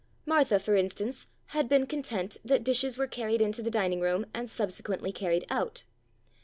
Martha, for instance, had been content that dishes were carried into the dining room, and subsequently carried out.